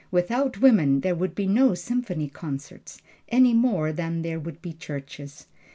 Without women there would be no Symphony Concerts, any more than there would be churches.